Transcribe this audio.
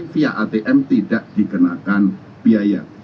via atm tidak dikenakan biaya